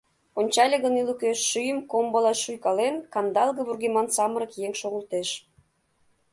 Ончале гын ӱлыкӧ, шӱйым комбыла шуйкален, кандалге вургеман самырык еҥ шогылтеш.